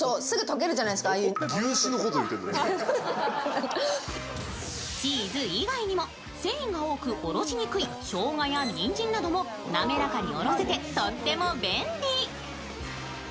すぐ溶けるじゃないですか、ああいうチーズ以外にも繊維が多くおろしにくいしょうがやにんじんなども滑らかにおろせて、とっても便利。